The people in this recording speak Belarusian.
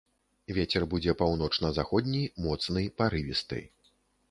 Вецер будзе паўночна-заходні, моцны, парывісты.